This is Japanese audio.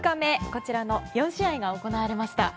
こちらの４試合が行われました。